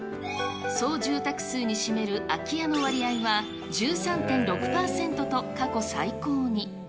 総住宅数に占める空き家の割合は、１３．６％と過去最高に。